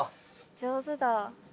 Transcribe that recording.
上手だ。